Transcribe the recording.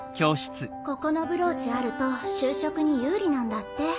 ここのブローチあると就職に有利なんだって。